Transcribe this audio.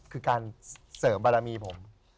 คือการเสริมบารมีผม